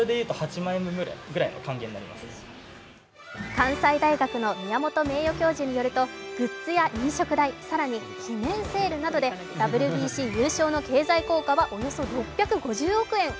関西大学の宮本名誉教授によるとグッズや飲食代、更に記念セールなどでＷＢＣ優勝の経済効果はおよそ６５０億円。